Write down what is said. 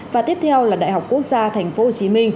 và tiếp theo là đại học quốc gia tp hcm